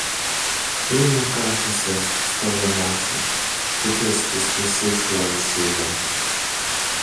Τι μου κάθισες στο λαιμό σου, στη θέση της χρυσής σου αλυσίδας;